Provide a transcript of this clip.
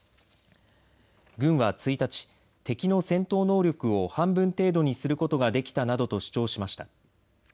軍は１日、敵の戦闘能力を半分程度にすることができたなどと主張しました。